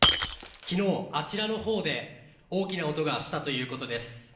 きのう、あちらの方で大きな音がしたということです。